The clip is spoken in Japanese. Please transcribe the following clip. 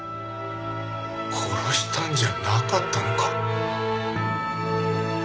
殺したんじゃなかったのか。